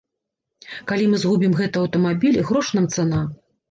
Калі мы згубім гэты аўтамабіль, грош нам цана.